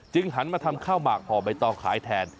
หันมาทำข้าวหมากห่อใบตองขายแทน